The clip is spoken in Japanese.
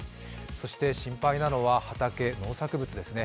そして心配なのは畑、農作物ですね。